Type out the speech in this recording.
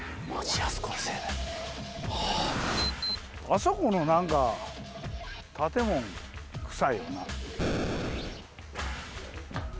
あそこの建物くさいよな？